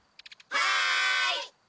はい！